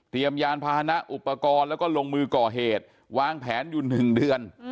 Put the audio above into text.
ยานพาหนะอุปกรณ์แล้วก็ลงมือก่อเหตุวางแผนอยู่๑เดือน